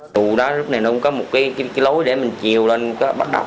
tù đó lúc này nó cũng có một cái lối để mình chiều lên bắt đầu